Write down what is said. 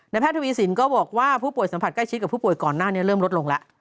แพทย์ทวีสินก็บอกว่าผู้ป่วยสัมผัสใกล้ชิดกับผู้ป่วยก่อนหน้านี้เริ่มลดลงแล้ว